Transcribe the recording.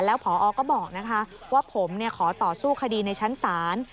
แล้วพอก็บอกว่าผมขอต่อสู้คดีในชั้นศาล